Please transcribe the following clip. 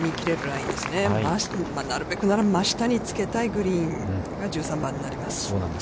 なるべくなら真下につけたいグリーンが、１３番になります。